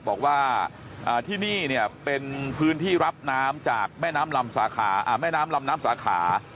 บอกว่าที่นี่เป็นพื้นที่รับน้ำจากแม่น้ำลำน้ำสาขา